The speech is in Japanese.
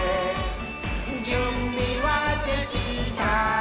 「じゅんびはできた？